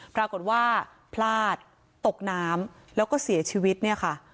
ปรากฏว่าพลาดตกน้ำแล้วก็เสียชีวิตเนี่ยค่ะ